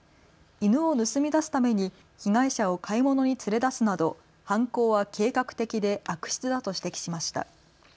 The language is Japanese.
犬を盗み出すために被害者を買い物に連れ出すなど犯行は計画的で悪質だと指摘しました。